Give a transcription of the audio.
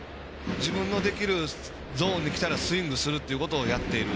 自分のできるゾーンにきたらスイングをするということをやっている。